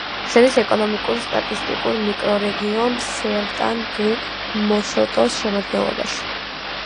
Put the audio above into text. შედის ეკონომიკურ-სტატისტიკურ მიკრორეგიონ სერტან-დუ-მოშოტოს შემადგენლობაში.